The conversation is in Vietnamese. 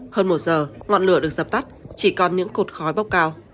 hơn một giờ ngọn lửa được dập tắt chỉ còn những cột khói bốc cao